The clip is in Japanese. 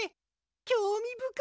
きょうみぶかい。